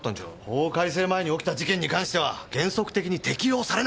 法改正前に起きた事件に関しては原則的に適用されないだろ！